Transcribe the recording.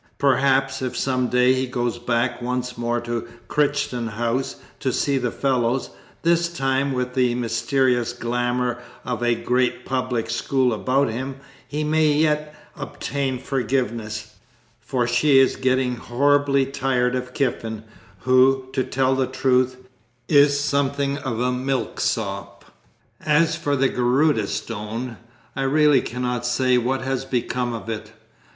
Perhaps, if some day he goes back once more to Crichton House "to see the fellows," this time with the mysterious glamour of a great public school about him, he may yet obtain forgiveness, for she is getting horribly tired of Kiffin, who, to tell the truth, is something of a milksop. As for the Garudâ Stone, I really cannot say what has become of it.